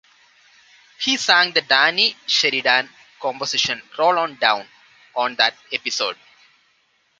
He sang the Danny Sheridan composition "Roll On Down" on that episode.